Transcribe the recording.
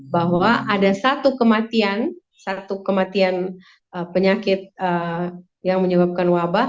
bahwa ada satu kematian satu kematian penyakit yang menyebabkan wabah